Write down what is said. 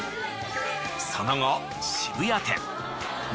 その後渋谷店